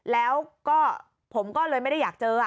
แล้วก็ผมก็เลยไม่ได้อยากเจอ